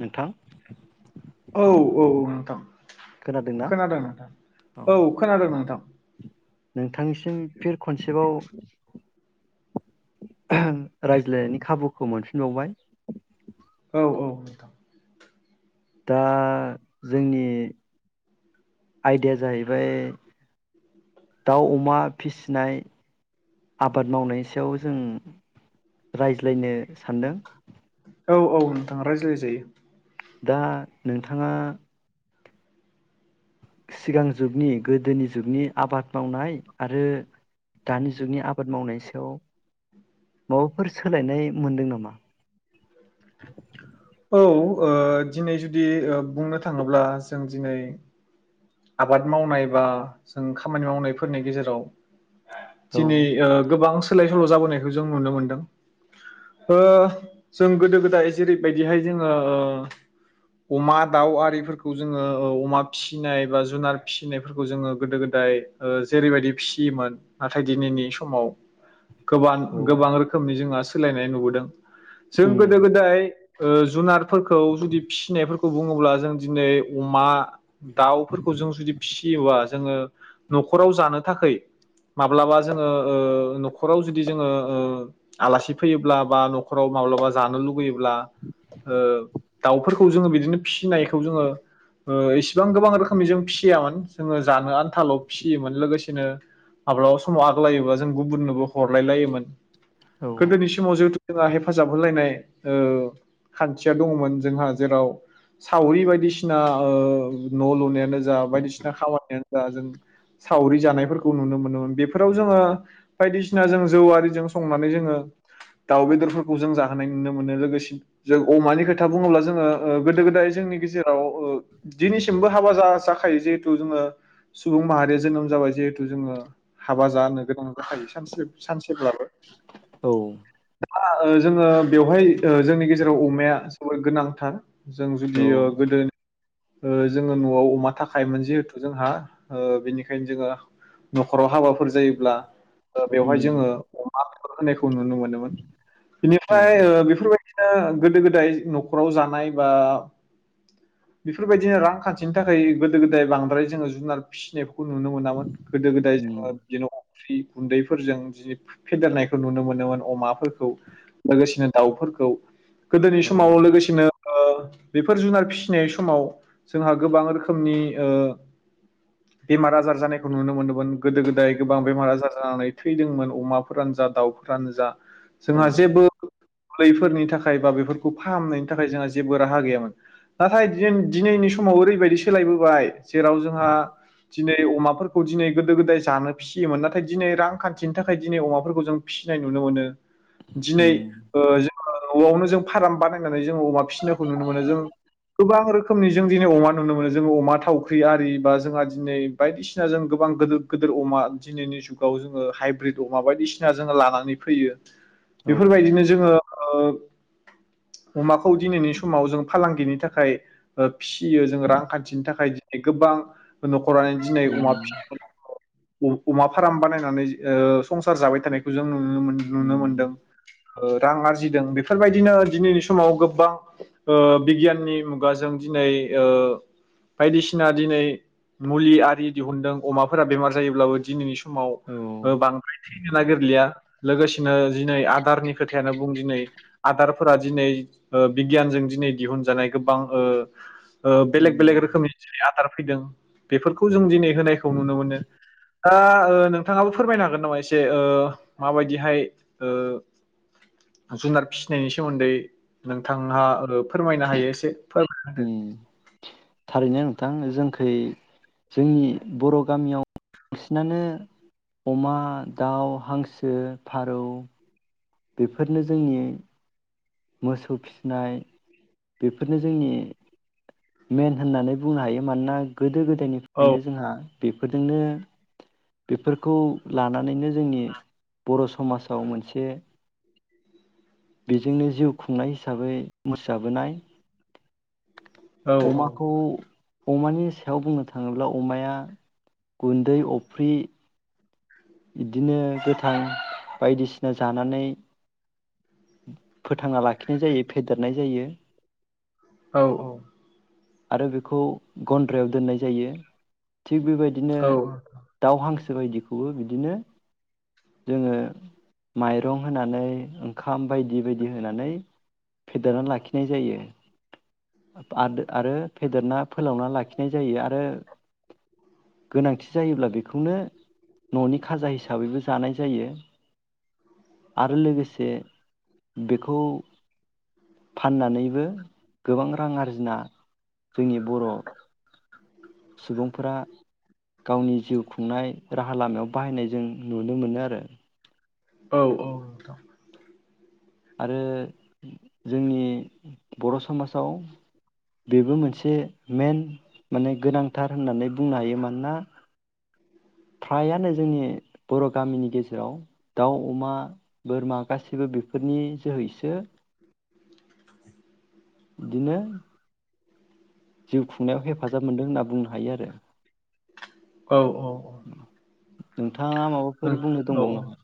नोंथां औ औ नोंथां खोनादोंना खोनादों नोंथां औ खोनादों नोंथां थि फिर खनसेबाव रायज्लायनायनि खाबुखौ मोनफिनबावबाय औ औ नोंथां दा जोंनि आयदाया जाहैबाय दाउ अमा फिसिनाय आबाद मावनायनि सायाव जों रायज्लायनो सानदों औ औ नोंथाङा रायज्लायजायो दा नोंथाङा सिगां जुगनि गोदोनि जुगनि आबाद मावनाय आरो दानि जुगनि आबाद मावनाय सायाव माबाफोर सोलायनाय मोनदों नामा? औ ओ दिनै जुदि ओ बुंनो थाङोब्ला जों दिनै आबाद मावनाय बा जों खामानि मावनायफोरनि गेजेराव औ दिनै ओ गोबां सा सोलाय सोल जाबोनायखौ जों नुनो मोनदों ओ जों गोदो गोदाय जेरैबायदिहाय जोङो ओ अमा दाउ आरिफोरखौ जोङो औ अमा फिसिनाय एबा जुनार फिसिनायफोरखौ जोङो गोदो गोदाय ओ जेरैबायदि फिसियोमोन नाथाय दिनैनि समाव गोबां औ गोबां रोखोमनि जोंहा सोलायनाय नुबोदों जों उम गोदो गोदाय ओ जुनार फोरखो जुदि फिसिनाय फोर खौ बुङोब्ला जों दिनै अमा दाउ फोर खौ जों जुदि फिसियोबा जोङो न'खराव जानो थाखै माब्लाबा जोङो ओ न'खराव जुदि जोङो ओ आलासि फैयोब्ला बा न'खराव माब्लाबा जानो लुुबैयोब्ला ओ दाउफोरखौ जोङो बिदिनो फिसिनायखौ जोङो ओ इसेबां गोबां रो खोमै जों फिसियामोन जोङो जानो आनथाल' फिसियोमोन लोगोसेनो माब्लाबा समाव आग्लायोबा जों गुबुननोबो हरलाय लायोमोन। औ गोदोनि समाव जोंथ जोंहा हेफाजाब होलायनाय ओ खान्थिया दंङमोन जोंहा जेराव सावरि बायदिसिना ओ न'लुनाय नोजा बायदिसिना खामानियानो बा जों सावरि जानायफोरखौ नुनो मोनोमोन बेफोराव जोङो बायदिसिना जों जौ आरिजों संनानै जोङो दाउ बेदरफोरखौ जों जाहोनाय नुनो मोनो लोगोसे जों अमानि खोथा बुङोब्ला जोङो ओ गोदो गोदाय जोंनि गेजेराव ओ दिनैसिमबो हाबा जा जाखायो जिहेतु जोङो सुबुं माहारिया जोनोम जाबाय जिहेतु जोंङो हाबा जानो गोनां जाखायो सानसे सानसेब्ला औ ओ जोङो बेवहाय ओ जोंनि गेजेराव अमाया जोबोद गोनांथार जों जुदि औ गोदोनि ओ जोङो नआव अमा थाखायोन जिहेथु जोंहा बेनिखायनो जोंङो नखराव हाबाफोर जायोब्ला ओ बेवहाय उम जोंङो अमा [unintelligible] खौ नुनो मोनोमोन औ बेनिफ्राय ओ बेफोरबायदि बिदिनो गोदो गोदाय नखराव जानाय बा बेफोरबायदिनो रांखान्थिनि थाखाय गोदाय बांद्राय जोङ जुनार फिसिनायखौ खौ नुनो मोनामोन गोदो गोदाय उम जोङो बिन फ्रि गुन्दैफोरजों जि फेदेरनायखौ नुनो मोनोमोन अमाफोरखौ लोगोसेनो दाउफोरखौ गोदोनि औ समाव लोगोसेनो ओ बेफोर जुनार फिसिनाय समाव जोंहा गोबां रोखोम रोखोमनि ओ बेमार आजार जानायखौ नुनो मोनदोंमोन गोदो गोदाय गोबां बेमार आजार जानानै थैदोंमोन अमाफोरानो जा दाउफोरानो जा औ जोंहा जेबो गैयिफोरनि थाखाय बा बेफोरखौ फाहामनायनि थाखाय जोंहा जेबो राहा गैयामोन नाथाय दिनैनि समाव ओरैबायदि सोलायबोबाय जेराव जोंहा दिनै अमाफोरखौ दिनै गोदो गोदाय जानो फिसियोमोन नाथाय दिनै रांखान्थिनि थाखाय दिनै अमाफोरखौ जों फिसिनाय नुनो मोनो। दिनै उम ओ जों। नआवनो जों फाराम बानायनानै जों अमा फिसिनायखौ नुनो मोनो जों गोबां रोखोम रोखोमनि जों दिनै अमा नुनो मोनो। जोङो अमा थावख्रि आरि बा जोंहा दिनै बायदिसिना जों गोबां गिदिर गदिर अमा दिनैनि जुगाव जोङो हाइब्रिद अमा बायदिसिना जोङो लानानै फैयो औ बेफोरबायदिनो जोङो। अमाखौ दिनैनि समाव जों फालांगिनि थाखाय फिसियो जों रां खान्थिनि थाखाय दिनै गोबां। न'खरानो दिनै अमा उम [unintelligible] अ-अमा फार्म बानायनानै ओ संसार जाबाय थानायखौ जों उम नुनो उम मोन्दों रां आरजि जिदों बेफोरबायदिनो दिनैनि समाव गोबां ओ बिगियाननि मुगाजों दिनै ओ बायदिसिना दिनै मुलि आरि दिहुनदों अमाफोरा बेमार जायोब्लाबो दिनैनि सम औ समाव बांद्राय थैनो नागिरलिया लोगोसेनो दिनै आदारनि खोथायानो बुं दिनै आदारफोरा दिनै ओ बिगियानजों दिनै दिहुनजानाय गोबां ओ ओ बेलेग बेलेग उम रोखोमनि जै आदार फैदों बेफोरखौ जों दिनै होनायखौ नुनो मोनो दा ओ नोंथाङाबो फोरमायनो हागोन नामा एसे ओ माबायदिहाय ओ जुनार फिसिनायनि सोमोन्दै नोंथांहा फोरमायनो हायो एसे उम [unintelligible] थारैनो नोंथां जोंखै जोंनि बर' गामियाव बांसिनानो अमा, दाउ, हांसो, फारौ बेफोरनो जोंनि मोसौ फिनाय बेफोरनो जोंनि मेन होननानै बुंनो हायो मानोना गोदो गोद होदो गोदोनिफ्रायनो जोंहा बेफोरजोंनो बेफोरखौ लानानैनो जोंनि बर' समाव मोनसे बेजोंनो जिउ खुंनाय हिसाबै मुसा बोनाय औ अमाखौ अमानि सायाव बुंनो थाङोब्ला अमाया गुन्दै अफ्रि बिदिनो गोथां बायदिसिना जानानै फोथांना लाखिनाय जायो फेदेरनाय जायो औ औ आरो बेखौ गन्द्रायाव दोननाय जायो थिग बेबायदिनो दाउ हांसो बायदिखौबो बिदिनो जोङो माइरं होनानै ओंखाम बायदि बायदि होनानै फेदेरनानै लाखिनाय जायो आदो आरो फेदेरना फोलावना लाखिनाय जायो आरो गोनांथि जायोब्ला बेखौनो न'नि खाजा हिसाबैबो जानाय जायो। आरो लोगोसे बेखौ फाननानैबो गोबां रां आरजिना जोंनि बर' सुबुंफोरा गावनि जिउ खुंनाय राहा लामायाव जों नुनो मोनो आरो औ औ नंगौ आरो जोंनि बर समाजाव बेबो मोनसे मेन माने गोनांथार होननानै बुंनो हायो मानोना फ्रायानो जोंनि बर' गामिनि गेजेराव दाउ, अमा बोरमा गासैबो बेफोरनि जोहैसो बिदिनो जिउ खुंनायाव हेफा हेफाजाब मोनदों होनना बुंनो हायो आरो। औ नोंथां औ औ नोंथाङा माबाफोर बुंनो नों दंबावो औ नामा?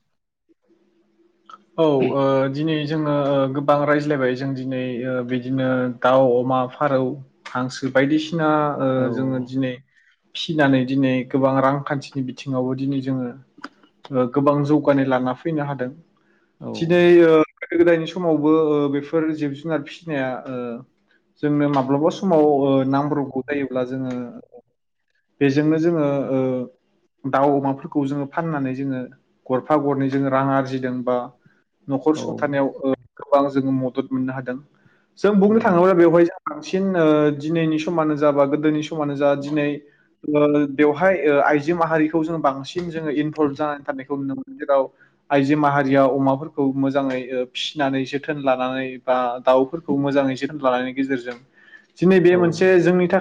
औ ओ दिनै जोङो गोबां रायज्लायबाय जों दिनै ओ बिदिनो दाउ अमा फारौ हांसो बायदिसि सिना ओ जोङो दिनै फिनानै दिनै गोबां रांखान्थिनि बिथिङावबो दिनै जोङो ओ गोबां जौगानाय लाना फैनो हादों। औ औ दिनै ओ गोदो गोदायनि समावबो ओ बेफोर जिब जुनार फिसिनाया ओ जोंनो माब्लाबा स समाव ओ नामब्रबगौ जायोब्ला जोङो बेजोंनो जोङो ओ दाउ अमाफोरखौ जोङो फाननानै जोङो गरफा गरनै जोङो रां आरजिदों बा न'खर औ सुंथानायाव ओ गोबां जोङो मदद मोननो हादों। जों बुंनो उम, थाङोब्ला बेवहाय बांसिन दिनैनि समानो जा बा गोदोनि समानो जा दिनै बेवहाय आइजो माहारिखौ जों बांसिन जोङो इनभल्भ जानानै थानायखौ नुनो मोनो जेराव आइजो माहारि बेयाव अमाफोरखौ मोजाङै ओ फिनानै जोथोन लानानै बा दाउफोरखौ मोजाङै जोथोन लानायनि गेजेरजों दिनै बे औ मोनसे जोंनि था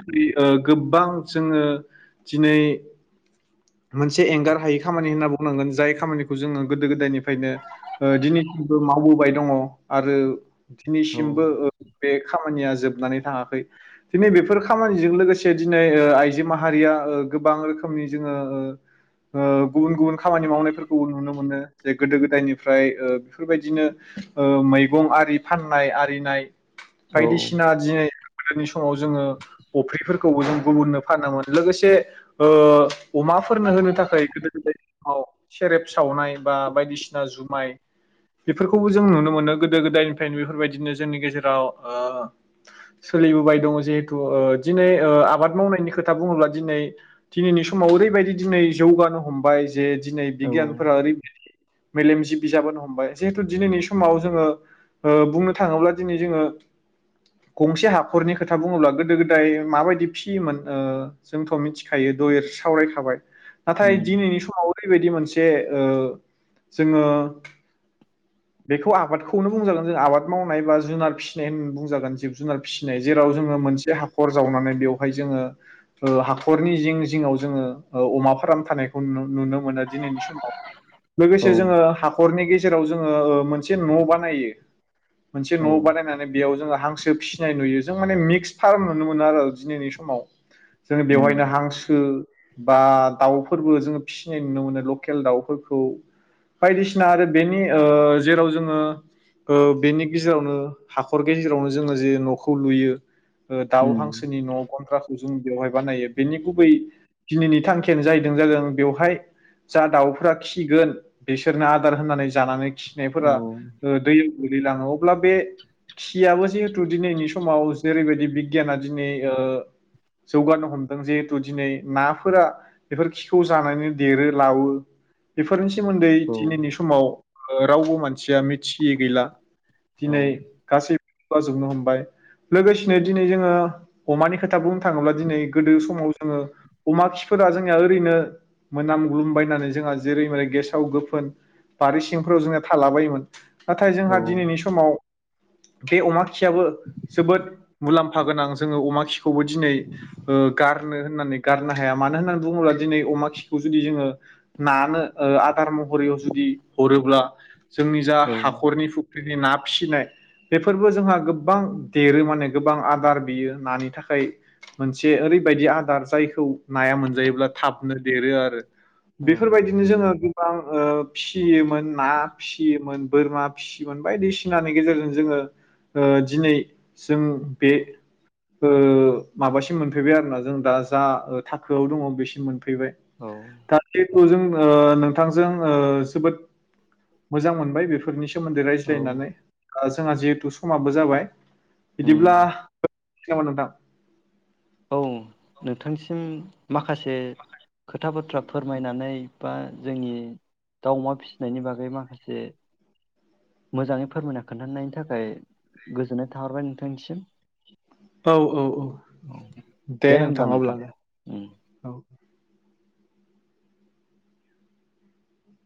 गोबां जोङो दिनै मोनसे एंगार हायै खामानि होनना बुंनांगोन जाय खामानिखौ जोङो गोदो गोदायनिफ्रायनो ओ दिनैसिमबो मावबोबाय दङ आरो औ दिनैसिमबो ओ बे खामानिया जोबनानै थाङाखै दिनै बेफोर खामानिजों लोगोसे दिनै ओ आइजो माहारिया ओ गोबां रोखोमनि जोङोओ ओ गुबुन गुबुन खामानि मावनायफोरखौबो नुनो मोनो जे गोदो गोदायनि फ्राय ओ बेफोरबायदिनो ओ मैगं आरि फाननाय आरिनाय औ बायदिसिना दिनै गोदोनि समाव जोङो अफ्रिफोरखौबो जों गुबुननो फानोमोन लोगोसे ओ अमाफोरनो होनो थाखाय गोदो गोदायनि समाव सेरेब सावनाय बा बायदिसिना जु माइ बेफोरखौबो जों नुनो मोनो गोदो गोदायनिफ्रायनो बेफोरबायदिनो जोंनि गेजेराव ओ सोलिबोबाय दङ जिहेथु ओ दिनै ओ आबाद मावनायनि खोथा बुङोब्ला दिनै दिनैनि समाव ओरैबायदि दिनै जौगानो हमबाय जे दिनै औ बिगियानफोरा ओरै [inaudible] मेलेमजि बिजाबो हमबाय जिहेथु दिनैनि समाव जोङो ओ बुंनो थाङोब्ला दिनै जोङो गंसे हाखरनि खोथा बुङोब्ला गोदो गोदाय माबायदि फियोमोन ओ जोंथ मिथिखायो दयर सावरायखाबाय नाथाय उम, दिनैनि समाव ओरैबायदि मोनसे ये ओ जोंओ बेखौ आबादखौनो बुंजागोन जों आबाद मावनाय बा जुनार फिसिनाय होनना बुंजागोन जिब जुनार फिसिनाय जेराव जोङो मोनसे हाखर जावनानै बेवहाय जोङो हाखरनि जिं जिङाव जोङो अमा फार्म‌ थानायखौ नुनो नुनो मोनो दिनैनि समाव, औ लोगोसे जोङो हाखरनि गेजेराव जों ओ ओ मोनसे न' बानायो। मोनसे औ न' बानायनानै बेयाव जोङो हांसो फिसिनाय नुयो जों माने मिक्स फार्म नुनो मोनो आरो दिनैनि समाव जों बेवहायनो उम, हांसो बा दाउफोरबो जोङो फिसिनाय नुनो मोनो लकेल दाउफोरखौ बायदिसिना आरो बेनि ओ जेराव जोङो ओ बेनि गेजेरावनो हाखर गेजेरावनो जोङो जे न'खौ लुयो ओ दाउ उम, हांसोनि न' गन्द्राखौ जों बेवहाय बानायो बेनि गुबै दिनैनि थांखियानो जाहैदों जादों बेवहाय जा दाउफ्रा खिगोन बिसोरनो आदार होननानै जानानै औ खिनायफोरा ओ दैयाव गोगलैलाङो अब्ला बे खियाबो जिहेथु दिनैनि समाव जेरैबायदि बिगियाना दिनै ओ जौगानो हमदों जिहेथु दिनै नाफोरा बेफोर खिखौ जानानै देरो लोवो बेफोरनि सोमोन्दै औ दिनैनि समाव रावबो मानसिया मिथियै गैला दिनै गासैबो जौगाजोबनो हमबाय लोगोसेनो दिनै जोङो अमानि खोथा बुंनो थाङोब्ला दिनै गोदो समाव जोङो अमा खिफोरा जोंनिया ओरैनो मोनामग्लुमबायनानै जोंहा जेरै मैरै गेसाव गोफोन बारि फोराव जोङो थालाबायोमोन नाथाय औ जोंहा दिनैनि समाव बे अमा खियाबो जोबोद मुलाम्फा गोनां जोङो अमा खिखौबो दिनै गारनो होननानै गारनो हाया मानो होननानै बुङोब्ला दिनै अमा खिखौ जुदि जोङो नानो आदार महरैयाव जुदि हरोब्ला जोंनि जा औ हाखरनि फु बे ना फिसिनाय बेफोरबो जोंहा गोबां देरो माने गोबां आदार बियो नानि थाखाय मोनसे ओरैबायदि आदार जायखौ नाया मोनजायोब्ला थाबनो देरो आरो बेफोरबायदिनो जोङो थां ओ फि फिसियोमोन ना फिसियोमोन बोरमा फिसियोमोन बायदिसिनानि गेजेरजों जोङो ओ दिनै जों बे ओ माबासिम मोनफैबाय आरोना जों दा जा ओ थाखोआव दङ बेसिम मोन फैबाय औ दाख्लिथ' जोङो ओ नोंथांजों ओस जोबोद मोजां मोनबाय बेफोरनि सोमोन्दै औ रायज्लायनानै ओ जोंहा जिहेतु समाबो जाबाय। बिदिब्ला उम, मोनानो दा औ नोंथांसिम माखासे खोथा बाथ्रा फोरमायनानै बा जोंनि दाउ अमा फिसिनायनि बागै माखासे मोजाङै फोरमायना खोन्थानायनि थाखाय गोजोननाय थाहरबाय नोंथांनिसिम औ औ औ। औ दे होमब्ला नोंथाङा नोंथां अब्लालाय उम औ।